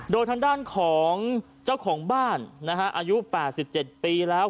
โดยทางด้านของเจ้าของบ้านนะฮะอายุแปดสิบเจ็ดปีแล้ว